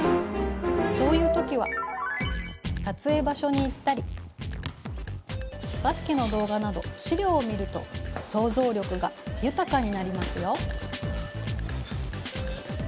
そういう時は撮影場所に行ったりバスケの動画など資料を見ると想像力が豊かになりますよ。